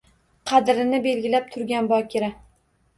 Qadrini belgilab turgan bokira